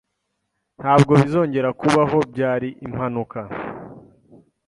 Ntabwo bizongera kubaho. Byari impanuka.